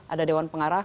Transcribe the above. ada dewan pengarah